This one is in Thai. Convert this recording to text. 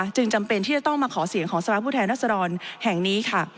จำเป็นที่จะต้องมาขอเสียงของสภาพผู้แทนรัศดรแห่งนี้ค่ะ